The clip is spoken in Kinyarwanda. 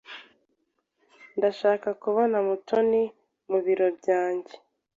Ndashaka kubona Mutoni mu biro byanjye.